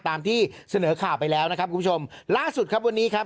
ตามที่เสนอข่าวไปแล้วนะครับคุณผู้ชมล่าสุดครับวันนี้ครับ